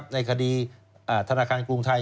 ในคดีธนาคารกรุงไทย